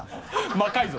魔改造。